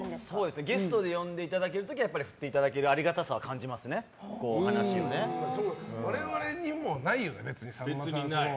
ゲストで呼んでいただける時は振っていただける我々にもないよね。